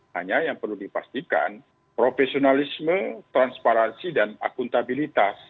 hanya yang perlu dipastikan profesionalisme transparansi dan akuntabilitas